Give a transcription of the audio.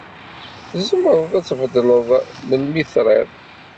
Tzemreḍ ad-t tbeddeleḍ melmi triḍ.